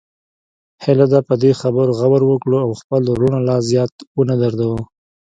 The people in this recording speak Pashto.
هیله ده په دې خبرو غور وکړو او خپل وروڼه لا زیات ونه دردوو